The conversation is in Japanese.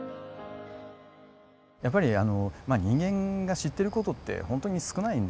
やっぱり人間が知っている事って本当に少ないんですよね。